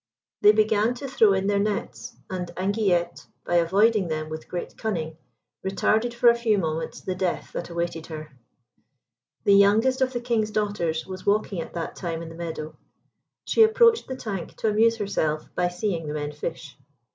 They began to throw in their nets, and Anguillette, by avoiding them with great cunning, retarded for a few moments the death that awaited her. The youngest of the King's daughters was walking at that time in the meadow. She approached the tank to amuse herself by seeing the men fish.